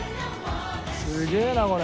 すげえなこれ。